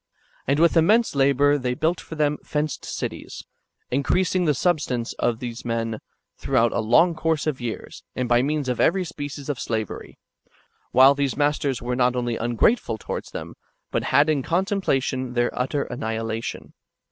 ^ And with immense labour they built for them fenced cities, increasing the substance of these men throughout a long course of years, and by means of every species of slavery ; while these [masters] w^ere not only ungrateful towards them, but had in contemplation their utter annihilation.